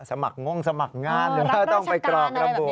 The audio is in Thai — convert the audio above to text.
สมัครงสมัครงานหรือว่าต้องไปกรอกระบุ